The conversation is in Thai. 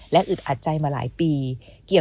และอึดอัดใจมาหลายปี